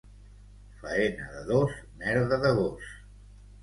Faena de dos, merda de gos.